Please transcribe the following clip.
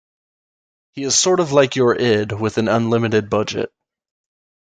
He is sort of like your id with an unlimited budget.